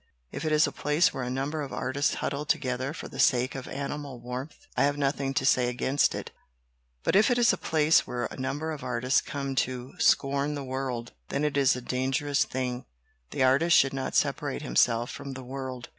"If it is a place where a number of artists huddle together for the sake of animal warmth, I have nothing to say against it. But if it is a place where a number 83 LITERATURE IN THE MAKING of artists come to scorn the world, then it is a dangerous thing. The artist should not separate himself from the world.